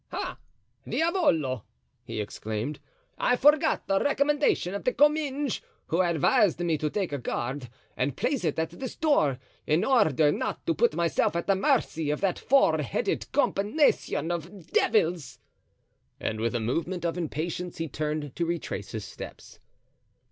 "Ah! Diavolo!" he exclaimed, "I forgot the recommendation of De Comminges, who advised me to take a guard and place it at this door, in order not to put myself at the mercy of that four headed combination of devils." And with a movement of impatience he turned to retrace his steps.